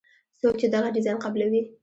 څوک چې دغه ډیزاین قبلوي.